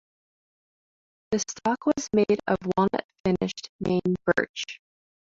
The stock was made of walnut-finished Maine birch.